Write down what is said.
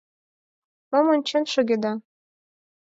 Мом ончен шогеда?